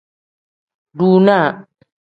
Dunaa.